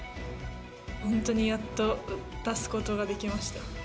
本当にやっと出すことができました。